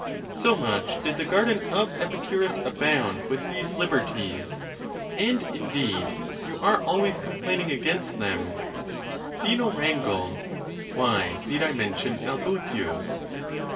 So much did the garden of Epicurus' abound with these liberties, and, indeed, you are always complaining against them. Zeno wrangled. Why need I mention Albutius?